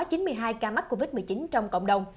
có chín mươi hai ca mắc covid một mươi chín trong cộng đồng